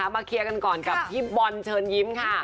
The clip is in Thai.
เคลียร์กันก่อนกับพี่บอลเชิญยิ้มค่ะ